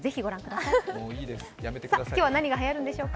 さ、今日は何がはやるんでしょうか？